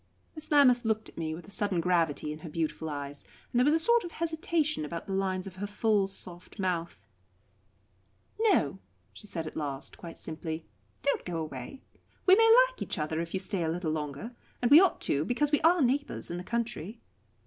Miss Lammas looked at me with a sudden gravity in her beautiful eyes, and there was a sort of hesitation about the lines of her full, soft mouth. "No," she said at last, quite simply, "don't go away. We may like each other, if you stay a little longer and we ought to because we are neighbours in the country."